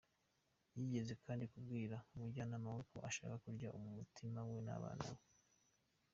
Yigeze kandi kubwira umujyanama we ko ashaka kurya umutima we n’abana be.